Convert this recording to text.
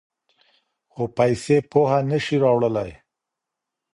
خو پیسې پوهه نه شي راوړلی.